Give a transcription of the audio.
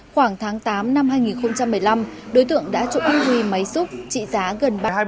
khoảng tháng tám năm hai nghìn một mươi năm đối tượng đã trộm gắp ghi máy xúc trị giá gần ba đồng